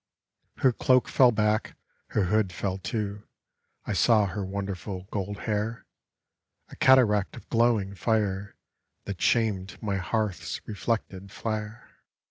Her cloak fell back; her hood fell, too; I saw her wonderful gold hair, A cataract of glowing fire That shamed my hearth's reflected flare.